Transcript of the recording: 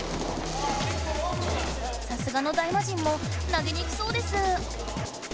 さすがの大魔神も投げにくそうです。